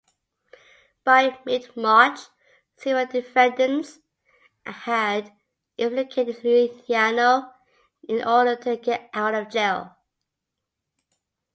By mid-March, several defendants had implicated Luciano in order to get out of jail.